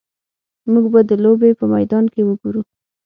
موږ به د لوبې په میدان کې وګورو